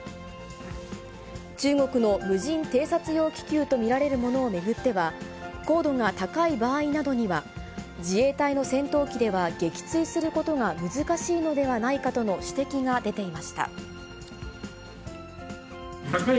中国の無人偵察用気球と見られるものを巡っては、高度が高い場合などには、自衛隊の戦闘機では撃墜することが難しいのではないかとの指摘が高い